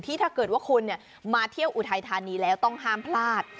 ถ้าเกิดว่าคุณมาเที่ยวอุทัยธานีแล้วต้องห้ามพลาด